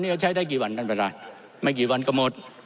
นี่เราใช้ได้กี่วันท่านประธานไม่กี่วันก็หมด